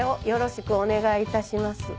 よろしくお願いします。